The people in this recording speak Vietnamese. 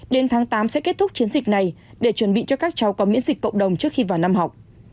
đến tháng tám sẽ kết thúc chiến dịch này để chuẩn bị cho các cháu có miễn dịch cộng đồng trước khi vào năm học